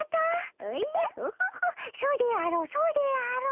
おじゃオホホそうであろうそうであろう。